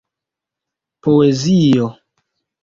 poezio